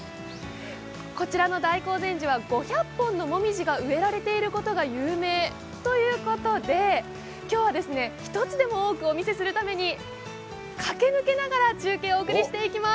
こちらの大興善寺は５００本のもみじが植えられていることが有名ということで、今日は１つでも多くお見せするために駆け抜けながら中継をお送りしていきます。